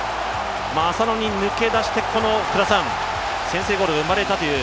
浅野、抜け出して、先制ゴールが生まれたという。